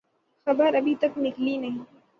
خبر ابھی تک نکلی نہیں۔